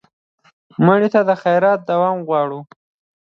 مړه ته د خیرات دوام غواړو